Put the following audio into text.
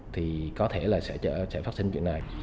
thì có thể là sẽ phát sinh chuyện này